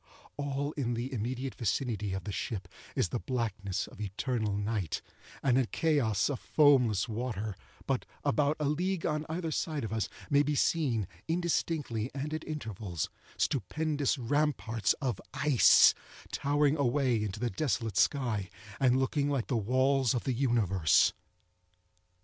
All in the immediate vicinity of the ship is the blackness of eternal night, and a chaos of foamless water; but, about a league on either side of us, may be seen, indistinctly and at intervals, stupendous ramparts of ice, towering away into the desolate sky, and looking like the walls of the universe.